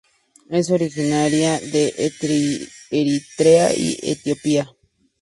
Es originaria de Eritrea y Etiopía.